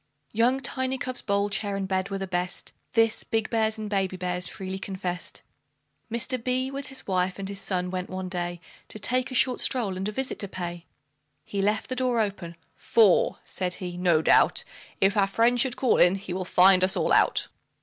Young Tiny cub's bowl, chair, and bed were the best, This, big bears and baby bears freely confessed. Mr. B , with his wife and his son, went one day To take a short stroll, and a visit to pay. He left the door open, "For," said he, "no doubt If our friend should call in, he will find us all out."